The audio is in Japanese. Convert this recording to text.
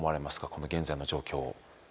この現在の状況。